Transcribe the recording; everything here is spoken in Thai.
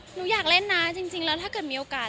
หนูอยากเล่นนะจริงแล้วถ้าเกิดมีโอกาส